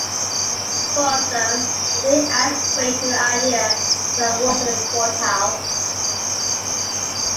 For some, the day adds weight to the idea that war is futile.